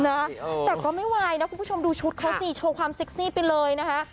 แต่ก็ไม่ไหวนะคุณผู้ชมดูชุดเขาสิโชว์ความเซ็กซี่ไปเลยนะคะ